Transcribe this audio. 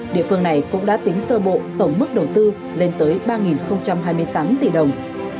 địa phương này cũng đã tính sơ bộ tổng mức đầu tư lên tới ba hai mươi tám tỷ đồng